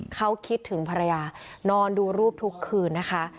เขาคิดถึงภรรยานอนดูรูปทุกคืนนะคะ